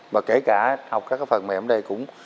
và kể cả học các phần mệnh ở đây cũng